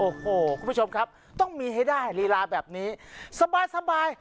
โอ้โหคุณผู้ชมครับต้องมีให้ได้ลีลาแบบนี้สบายสบาย